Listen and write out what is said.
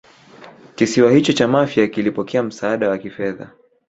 kisiwa hicho cha Mafia kilipokea msaada wa kifedha